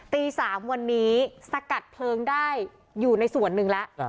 ตี๓วันนี้สกัดเพลิงได้อยู่ในส่วนหนึ่งแล้ว